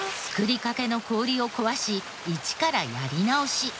作りかけの氷を壊し一からやり直し。